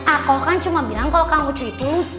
aku kan cuma bilang kalau kang ucu itu